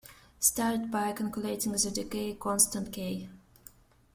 Start by calculating the decay constant "K".